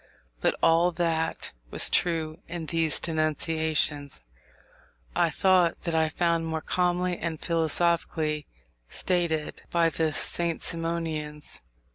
But all that was true in these denunciations, I thought that I found more calmly and philosophically stated by the St. Simonians.